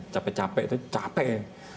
capek capek itu capek